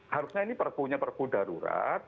harusnya ini perpunya perpu darurat